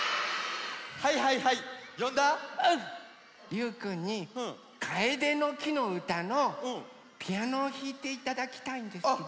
ゆうくんに「カエデの木のうた」のピアノをひいていただきたいんですけど。